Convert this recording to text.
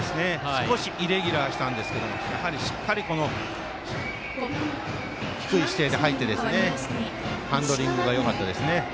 少しイレギュラーしたんですけどしっかり、低い姿勢で入ってハンドリングがよかったですね。